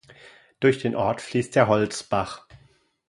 Durch den Ort fließt der Holzbach.